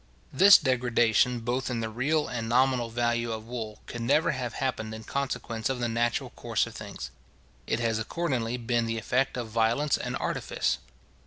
This degradation, both in the real and nominal value of wool, could never have happened in consequence of the natural course of things. It has accordingly been the effect of violence and artifice.